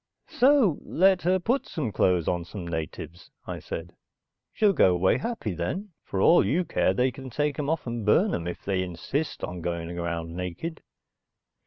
"So let her put some clothes on some natives," I said. "She'll go away happy and then, for all you care, they can take 'em off and burn 'em if they insist on going around naked.